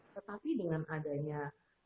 tetapi dengan adanya